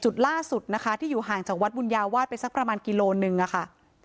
จุดล่าสุดนะคะที่อยู่ห่างจากวัดบุญญาวาสไปสักประมาณกิโลนึงอะค่ะ